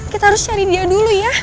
kita harus cari dia dulu ya